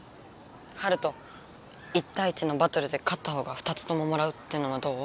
ハルト１たい１のバトルでかった方が２つとももらうっていうのはどう？